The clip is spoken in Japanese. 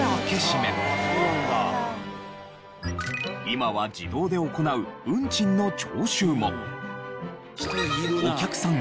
今は自動で行う運賃の徴収もお客さん